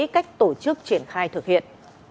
cách tổ chức triển khai thực hiện